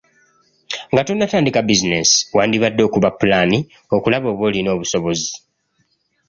Nga tonnatandika bizinensi, wandibadde okuba pulaani okulaba oba olina obusobozi.